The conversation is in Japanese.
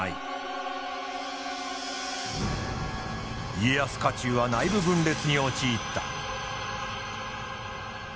家康家中は内部分裂に陥った。